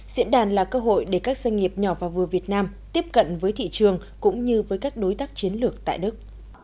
diễn đàn là cơ hội để các doanh nghiệp nhỏ và vừa việt nam tiếp cận với thị trường cũng như với các đối tác chiến lược tại đức